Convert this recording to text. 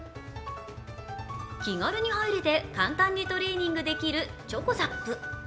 気軽に入れて簡単にトレーニングできるｃｈｏｃｏＺＡＰ。